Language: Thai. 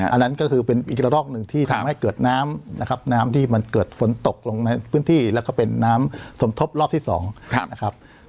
อันนั้นก็คือเป็นอีกระลอกหนึ่งที่ทำให้เกิดน้ำนะครับน้ำที่มันเกิดฝนตกลงในพื้นที่แล้วก็เป็นน้ำสมทบรอบที่๒นะครับ